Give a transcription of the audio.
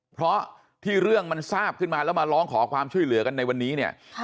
เพราะที่เรื่องมันทราบขึ้นมาแล้วมาร้องขอความช่วยเหลือกันในวันนี้เนี่ย